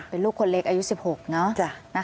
เป็นลูกคนเล็กอายุ๑๖เนอะ